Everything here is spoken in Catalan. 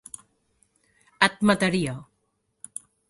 Et mataria.